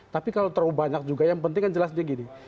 tapi kalau terlalu banyak juga yang penting kan jelas dia gini